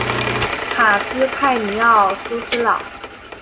卡斯泰尼奥苏斯朗。